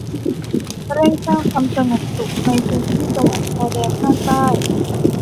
เร่งสร้างความสงบสุขในพื้นที่จังหวัดชายแดนภาคใต้